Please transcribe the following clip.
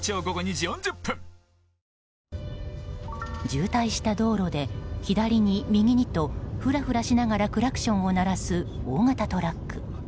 渋滞した道路で左に右にと、ふらふらしながらクラクションを鳴らす大型トラック。